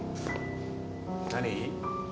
何？